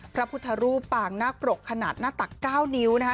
พระพุทธรูปปางนาคปรกขนาดหน้าตัก๙นิ้วนะคะ